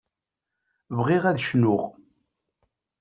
Bɣiɣ ad cnuɣ.